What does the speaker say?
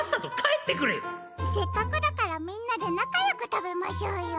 せっかくだからみんなでなかよくたべましょうよ。